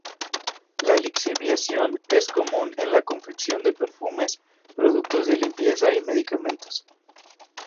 La lixiviación es común en la confección de perfumes, productos de limpieza y medicamentos.